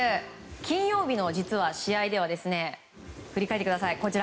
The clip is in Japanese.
金曜日の試合では振り返ってください。